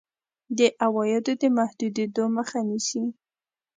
د عوایدو د محدودېدو مخه نیسي.